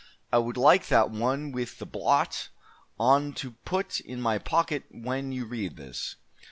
I would like that one with the Blot on to put in my pocket when you read this.